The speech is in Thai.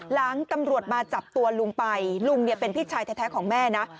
หลังตำรวจมาจับตัวลุงไปลุงเนี่ยเป็นพี่ชายแท้ของแม่นะ